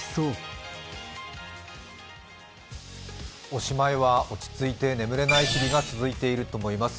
おしまいは落ち着いて眠れない日々が続いていると思います。